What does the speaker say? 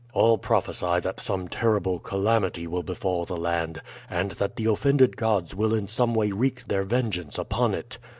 All prophesy that some terrible calamity will befall the land, and that the offended gods will in some way wreak their vengeance upon it.